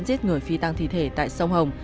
giết người phi tăng thi thể tại sông hồng